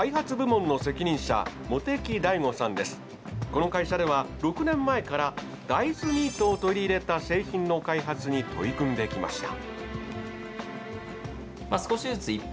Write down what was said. この会社では６年前から大豆ミートを取り入れた製品の開発に取り組んできました。